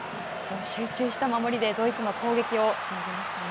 集中した守りでドイツの攻撃をしのぎましたね。